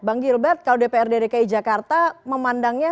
bang gilbert kalau dprd dki jakarta memandangnya